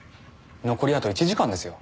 残りあと１時間ですよ。